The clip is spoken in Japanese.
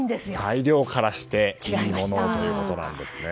材料からしていいものをということなんですね。